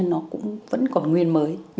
nó cũng vẫn còn nguyên mới